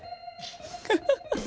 フフフッ。